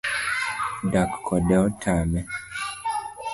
Dak kode otame